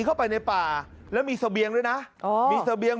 เข้าไปในป่าแล้วมีเสบียงด้วยนะอ๋อมีเสบียง